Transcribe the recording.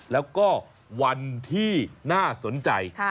แล้วก็วันที่น่าสนใจ